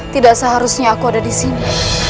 tidak seharusnya aku ada disini